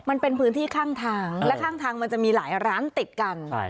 มันเป็นพื้นที่ข้างทางและข้างทางมันจะมีหลายร้านติดกัน